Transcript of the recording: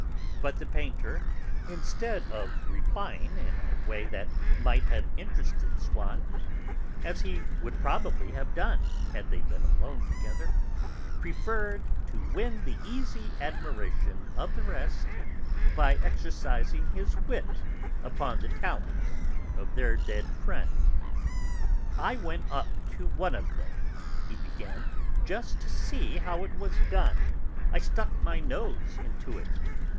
But the painter, instead of replying in a way that might have interested Swann, as he would probably have done had they been alone together, preferred to win the easy admiration of the rest by exercising his wit upon the talent of their dead friend. "I went up to one of them," he began, "just to see how it was done; I stuck my nose into it.